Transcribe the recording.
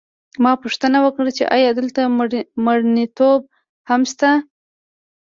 ما پوښتنه وکړه چې ایا دلته مېړنتوب هم نشته